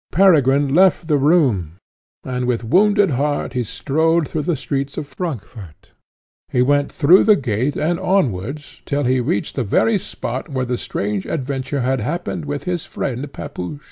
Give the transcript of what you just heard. Peregrine left the room, and with wounded heart he strolled through the streets of Frankfort. He went through the gate and onwards, till he reached the very spot where the strange adventure had happened with his friend, Pepusch.